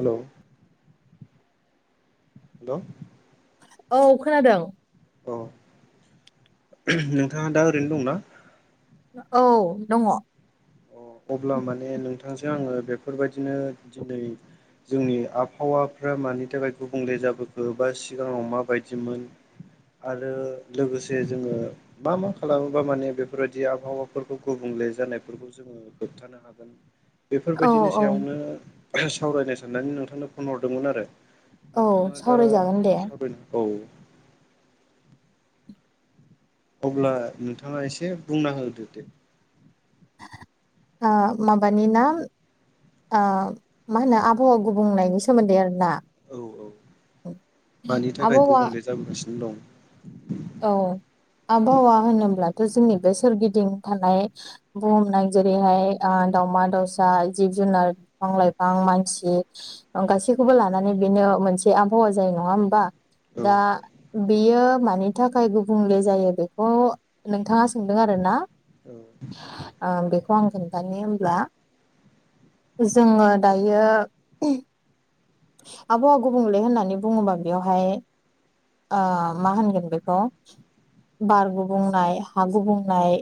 हेल' hello. औ खोनादों। अ नोंथाङा दा ओरैनो दंना? औ दङ। अ अब्ला माने नोंथांजों आङो बेफोरबायदिनो दिनै जोंनि आबहावाफ्रा मानि थाखाय गुबुंले जाबोखो बा सिगाङाव माबादिमोन आरो लोगोसे जोङो मा मा खालामोबा माने बेफोरबायदि आबहावाफोरखौ गुबुं ले जानायफोरखौ जोङो होबथानो हागोन औ बेफोरबायदिनि औ सायावनो सावरायनो साननानै नोंथांनो फन हरदोंमोन आरो औ नोंथाङा दा सावरायजागोन दे सावराय औ अब्ला नोंथाङा एसे बुंना होदो दे आ माबानि ना ओ मा होनो आबहावा गुबुंनायनि सोमोन्दै आरोना औ औ मानि थाखाय आबहावा गुबुंले जाबोगासिनो औ आबहावा होनोब्लाथ' जोंनि बे सोरगिदिं थानाय बुहुमनाय जेरैहाय दाावमा-दाउसा, जिब-जुनार' बिफां-लाइफां' मानसि गासैखौबो लानानै बेनो मोनसे आबहावा जायो नङा होमबा दं दा बेयो मानि थाखाय गुबुंले जायो बेखौ नोंथाङा सोंदों आरो ना औ ओ बेखौ आं खोनथायायो हब्ला जोङो दायो आबहावा गुबुंले होननानै बुङोबा बेवहाय ओ मा होनगोन बे खो बार गुबुंनाय हा गुबुंनाय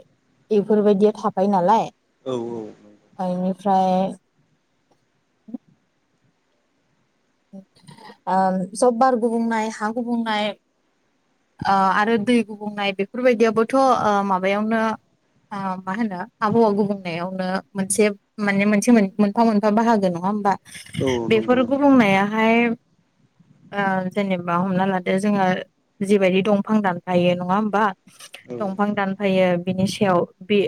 बेफोरबायदिया थाफायो नालाय औ औ नंगौ ओमफ्राय ओ सब बार गुबुंनाय हा गुबुंनाय ओ आरो दै गुबुंनाय बेफोरबायदियाबोथ' ओ माबायावनो ओ मा होनो आबहावा गुबुंनायावनो मोनसे माने मोनसे मोनफा मोनफा बाहागो नङा होमबा औ नंगौ नोंथां बेहाय ओ जेनेबा हमना लादो जोङो जिबायदि दंफां दानफायो नङा होमबा? औ दंफां दानफायो बिनि सायाव बे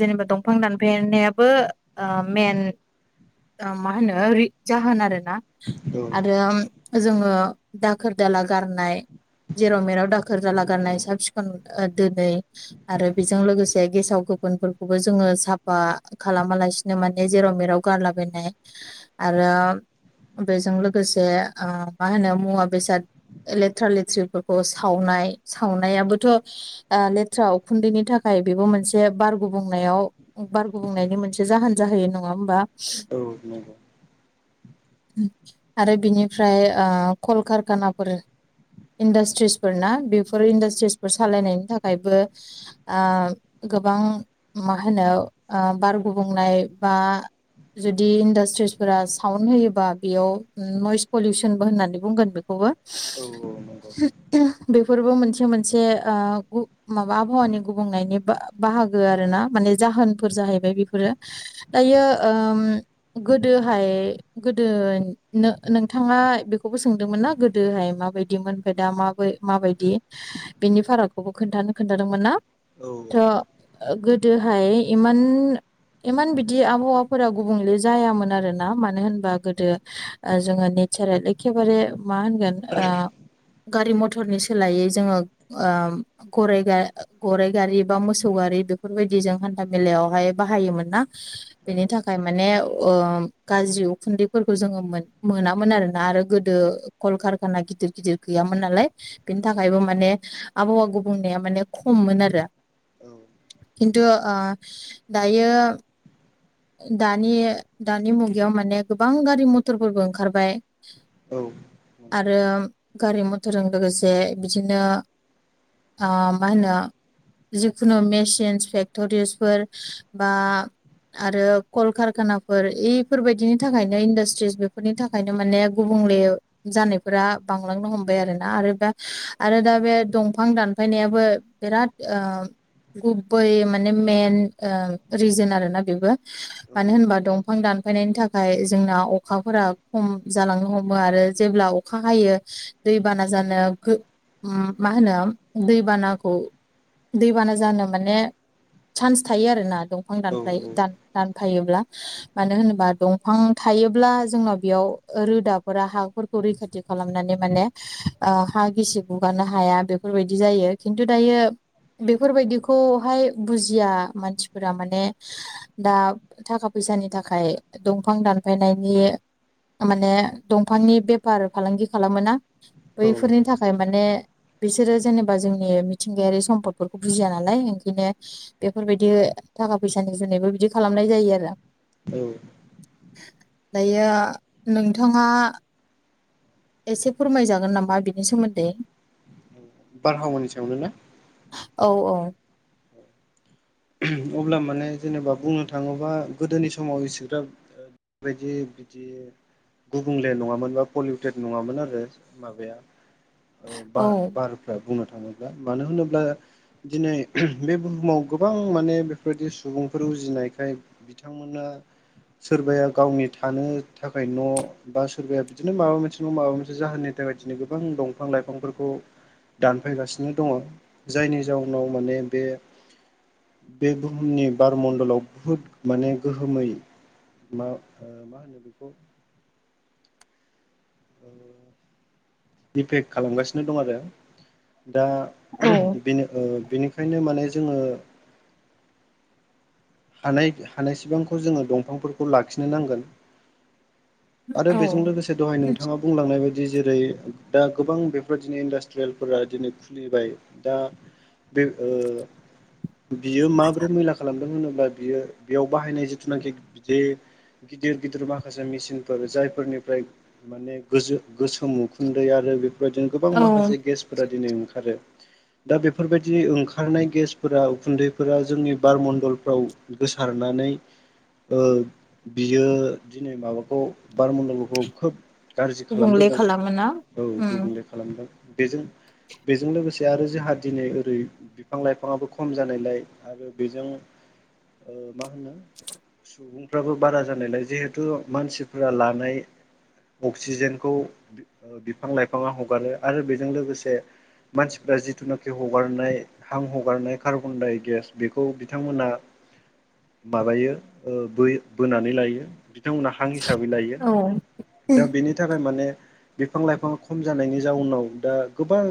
जेनेबा दंफां दानफायनायाबो ओ मेन मा ओ होनो जाहोन आरो ना औ आरो जोङो दाखोर दाला गारनाय जेराव मेराव दाखोर जाला गाननाय साब सिखन दोनै आरो बेजों लोगोसे गेसाव गो फोन साफानो खालामा लासोनो जेराव बेजों लोगोसे ओ मा होनो मुवा बेसाद लेथ्रा लेथ्रिफोरखौ सावनाय सावनायाबोथ' लेथ्रा उखुन्दैनि थाखाय बेबो मोनसे बार गुब बुंनायाव बारग बुंनायनि मोनसे जाहोन जाहैयो नङा होमबा औ नंगौ आरो बिनिफ्राय ओ कलकारखानाफोर इन्डास्ट्रिसफोर ना बेफोर इन्डास्ट्रिसफोर सालायनायनि थाखायबो ओ गोबां मा होनो अ बार गुबुंनाय बा जुदि इन्डास्ट्रिसफोरा साउन्दड होयो बा बेयाव नयस पलिउसनबो होननानै बुंगोन बेखौबो औ औ नंगौ औ बेफोरबो मोनसे मोन मोनसे ओ गु माबा आबहावानि गुबुंनायनि बा-बाहागो आरोना माने जाहोनफोर जाहै बेफोरो दायो ओम गोदोहाय गोदो नो-नोंथाङा बेखौबो सोंदोंमोन ना गोदोहाय माबायदिमोन ओमफ्राय दा माबा माबायदि बिनि फारागखौबो खोनथानो खोन्थादोंमोन ना औ थ नंगौ गोदो हाय इमान इमान बिदि आबहावाफोरा गुबुंले जायामोन आर ना मानो होन बा गोदो जोङो नेचारेल एखेबारे मा होनगोन ओ गारि मथरनि सोलायै जोङो ओम गराइ गारि बा मोसौ गारि बेफोरबायदि जों हान्था मेलायावहाय बाहायोमोन ना बेनि थाखाय माने ओ गाज्रि खुन्दैफोरखौ जोङो मोन मोनामोन आरोना आरो गोदो कलकारखाना गिदिर गिदिर गैयामोन नालाय बिनि थाखायबो माने औ आबहावा गुबुंनाया माने खममोन आरो खिनथु ओ दायो दानि दानि मुगायाव माने गोबां गारि मथरफोरबो ओंखारबाय औ आरो गारि मथरजों लोगोसे बिदिनो आ माहोनो जिखुनु मेसिनस फेक्ट'रिसफोर बा आरो कलकारखानाफोर इफोरबायदिनि थाखायनो इन्डास्ट्रिस बेफोरनि थाखायनो माने गुबुं [unintelligible] जानायफोरा बांलांनो हमबाय आरोना आरो दा आरो दा बे दंफां दानफायनाया [unintelligible] बेराद ओ गुबै माने मेन ओ रिजोन आरोना [unintelligible] बेबो औ मानो होनबा दंफां दान [unintelligible] फायनायनि थाखाय जोंना अखाफोरा खम जालांनो हमो आरो जेब्ला अखा हायो दैबाना जानो गो उम मा होनो दै बानाखौ दैबाना जानो माने चान्स थायो आरोना दंफां दानफ्लाय दान दान थायोब्ला मानो होनोबा दंफां थायोब्ला जोंनाव बेयाव रोदाफोरा हाफोरखौ रैखाथि खालामनानै माने ओ हा गिसि गुगानो हाया बेफोरबायदि जायो खिन्थु दायो बेफोरबायदिखौहाय बुजिआ मानसिफोरा माने दा थाखा फैसानि थाखाय दंफां दानफायनायनि माने दंफांनि बेफार फालांगि खालामो ना बैफोरनि थाखाय माने बिसोरो जेनेबा जोंनि मिथिंगायारि सम्पदफोरखौ बुजिया नालाय ओंखायनो बेफोरबायदि थाखा फैसानि जुनैबो बिदि खालामनाय जायो आरो औ दायो नोंथाङा एसे फोरमायजागोन नामा बिनि सोमोन्दै बारहावानि सायावनो ना? औ औ अब्ला माने जेनेबा बुंनो थाङोबा गोदोनि समाव इसिग्राब बायदि बिदि गुबुंले नङामोन बा पलिउटेड नङामोन आरो माबाया बार औ बारफ्रा बुंओ थाङोब्ला मानो होनोब्ला दिनै बे बुहुमाव गोबां माने बेफोरदि सुबुंफोर उजिनायखाय बिथांमोना सोरबाया गावनि थानो थाखाय न बा सोरबाया बिदिनो माबा मोनसे माबा मोनसे जाहोननि थाख बेबायदिनो गोबां दंफां लाइफांफोरखौ दानफायगासिनो दङ जायनि जाउनाव माने बे बे बुहुमनि बारमणडलाव बुहुद माने गोहोमै मा ओ मा होनो बेखौ ओ दिफेक खालामगासिनो दं आरो। दा बिनि ओ बिनिखायनो माने जोङो हानाय हानाय सिबांखौ जोङो दंफांफोरखौ लाखिनो नांगोन। आरो औ बेजों लोगोसे दहाय नोंथाङा बुंलांनाय बायद [unintelligible] जेरै दा गोबां बेफोर बायदिनो इन्डास्ट्रियेलफोरा दिनै खुलिबाय दा बे ओ बियो माब्रै मैला खालामदों होनो बियो बेयाव बाहायनाय जिथुनाखि जे गिदिर गिदिर माखासे मेसिनफोर जायफोरनिफ्राय माने गोजो गोसोम उखुन्दै आरो बेफोरबायदिनो गोबां औ माखासे गेसफोरा दिनै ओंखारो। दा बेफोरबायदि ओंखारनाय गेसफोरा उखुन्दैफोरा जोंनि बारमणडलफ्राव गोसारनानै ओ बियो दिनै माबाखौ बार मन्दलपखौ खोब गाज्रि गुबुंले खालामबोदों खालामोना औ उम गुबुंले खालामदों बेजों बेजों लोगोसे आरो जोंहा दिनै ओरै बिफां- लाइफाङआो खम जानायलाय आरो बेजों ओ मा होनो सुबुंफ्राबो बारा जानायलाय जिहेथु मानसिफोरा लानाय अक्सिजेनखौ बिफां -लाइफाङा हगारो आरो बेजों लोगोसे मानसिफ्रा जिथुनाखि हगारनाय हां हगारनाय कार्बनडाइगेस बेखौ बिथांमोना माबायो ओ बो बोनानै लायो बिथांमोनहा हां हिसाबै लायो औ दा बेनि थाखाय माने बिफां -लाइफाङा खम जानायनि जाउनाव दा गोबां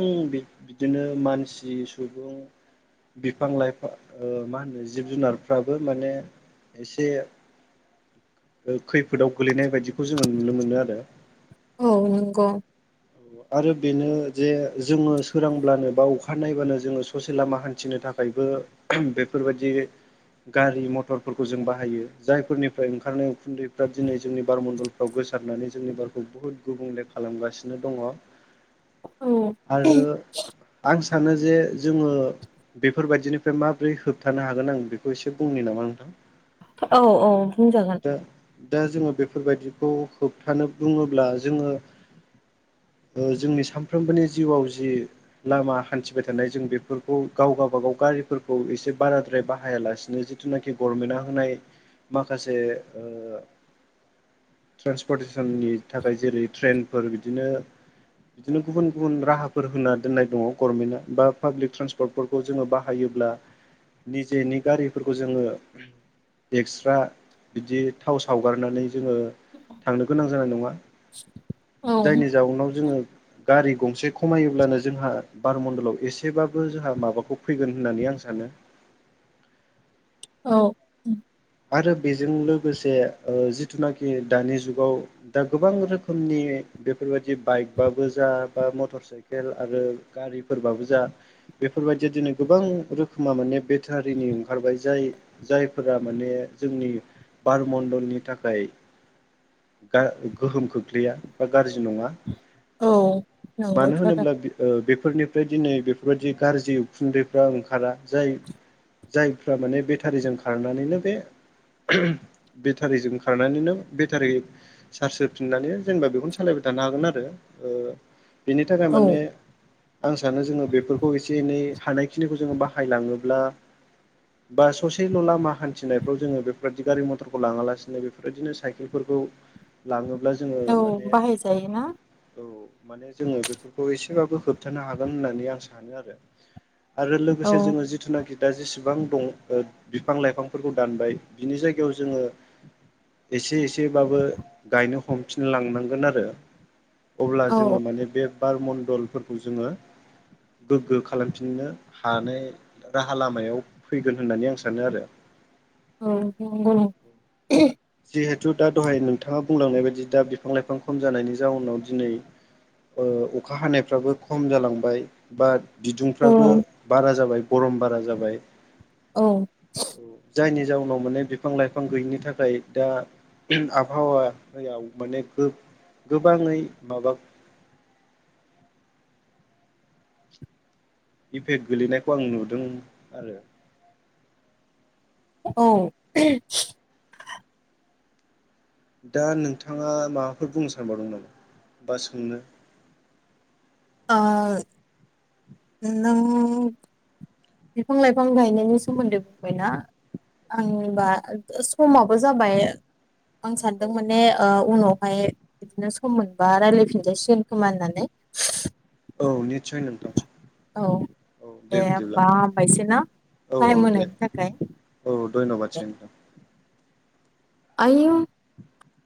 बिदिनो मानसि सुबुं बिफां- लाइफां मा होनो जिब -जुनार फ्राबो माने एसे- खैफोदाव गोलैनाय बायदिखौ जोङो नुनो मोनो आरो। औ नंगौ। आरो बेनो जे जोङो सोरांब्लानो बा अखा नायब्लानो जोङो ससे लामा हान्थिनो थाखायबो बेफोर बायदि गारि मथरफोरखौ जों बाहायो जायफोरनिफ्राय ओंखारनाय उखुन्दैफ्रा दिनै जोंनि बारमण्डलफ्राव गोसार -नानै जोंनि बारखौ बुहुत गुबुंले खालामगासिनो दङ। औ आरो आं सानो जे जोङो बेफोरबायदिनिफ्राय माबोरै होबथानो हागोन आं इसे बुंनो नामा नोंथां औ औ बुंजागोन दा- दा जोङो बेफोरबायदिखौ होबथानो बुङोब्ला जोङो ओ जोंनि सानफ्रोमबोनि जिउआव जि लामा हान्थिबाय थानाय जों बेफोरखौ गावगा -बागाव गा नायफोरखौ एसे बाराद्राय बाय बाहायालासिनो जिथुनाखि गभनमेन्टआ होनाय माखासे ओ ट्रेन्सपर्टेसननि थाखाय जेरै ट्रेनफोर बिदिनो बिदिनो गुबुन -गुबुन राहाफोर होना दोननाय दङ गभर्नमेन्टआ बा पाब्लिक ट्रेन्सपर्टफोरखौ जोङो बाहायो ब्ला निजेनि गारिफोरखौ जोङो एक्सट्रा बिदि थाव सावगारनानै जोङो थांनो गोनां जानाय नङा। औ जायनि जाउनाव जोङो गारि गंसे खमायोब्लानो जोंहा बारमणडलाव एसेबाबो जोंहा माबाखौ फैगोन होननानै आं सानो। [inaudible] औ। आरो बेजों लोगोसे जिथुनाखि दानि जुगाव दा गोबां रोखोमनि बेफोर बायदि बाइकबाबो जा बा मटर साइकेल आरो गारि फोरबाबो जा बेफोर बायदि दिनै गोबां रोखोमा माने भेटेनारिनि ओंखारबाय जाय जायफोरा माने जोंनि बार मण्डलनि थाखाय गा गोहोम खोख्लैया बा गाज्रि नङा औ मानो नंगौथ' आरो होनोब्ला बेफ अ बेफोरनिफ्राय दिनै बेफो। बेफोरबायदि गाज्रि उखुन्दैफ्रा ओंखारा जाय जायफ्रा माने बेटारिजों खारनानैनो। दे। बेटारिजों खारनानैनो बेटारि चार्ज होफिननानै जेनेबा बेखौनो सालायबाय था। जानो हागोन आरो बेनि थाखाय औ माने आं सानो जोङो बेफोरखौ एसे एनै हानायखिनिखौ जोङो बाहायलाङोब्ला बा ससेल' लामा हान थिनायफ्राव जोङो बेफोरबायदि गारि मथरखौ लाङा लासिनो बेफोरबायदिनो साइकेलफोरखौ लाङो ब्ला जोङो औ माने बाहायजायोना औ। माने जोङो बेफोरखौ एसेबाबो होबथानो हागोन होननानै आं सानो आरो। आरो औ लोगोसे जोङो जिथुनाखि दा जेसेबां दङ अ बिफां लाइफां। फोरखौ दानबाय बिनि जायगायाव जोङो एसे एसेबाबो गायनो हमफिनलांनांगोन आरो अब्ला औ जोङो माने बे बार मण्न्दलफोरखौ जोङो गोग्गो खालामफिननो हानाय राहा लामायाव फैगोन होननानै आं सानो आरो। औ नंगौ नं जिहेथु दा दहाय नोंथाङा बुंलांनाय बायदि दा बिफां लाइफां खम जानायनि जाहोनाव दिनै अ अखा हानायफ्राबो खम जालांबाय बात औ बिदुंफ्राबो बारा जाबाय गरम बारा जाबाय औ [inaudible] जायनि जाउनाव माने बिफां लाइफां गैयिनि थाखाय दा आबहावा याव माने गोब गोबाङै माबा इफेक्ट गोलैनायखौ आं नुदों आरो औ दा नोंथाङा माबाफोर बुंनो सानबावदोंं नामा बा सोंनो? आ नों बिफां लाइफां गायनायनि सोमोन्दै बुंबायना आं होनबा समाबो जाबाय आं सानदों माने अ उनावहाय बिदिनो सम मोनबा राय्लायफिनजासिगोन खोमा होननानै औ निस्सय नोंथां औ औ दे बिदिब्ला होमबा हबायसै ना औ औ टाइम दे होनायनि थाखाय औ धन्यबाद सै नोंथां आयौ